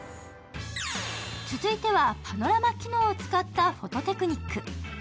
続いてはパノラマ機能を使ったフォトテクニック。